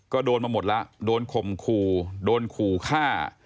ก็โดนมาหมดแล้วโดนข่มขู่โดนขู่ฆ่า